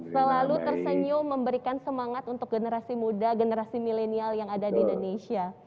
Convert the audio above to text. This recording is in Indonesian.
selalu tersenyum memberikan semangat untuk generasi muda generasi milenial yang ada di indonesia